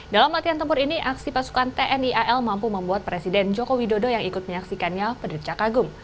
dalam latihan tempur ini aksi pasukan tni al mampu membuat presiden joko widodo yang ikut menyaksikannya pederca kagum